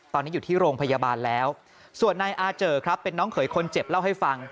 ตอนนี้อยู่ที่โรงพยาบาลแล้วส่วนนายอาเจอครับเป็นน้องเขยคนเจ็บเล่าให้ฟัง